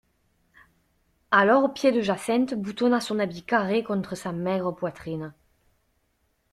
Alors Pied-de-Jacinthe boutonna son habit carré contre sa maigre poitrine.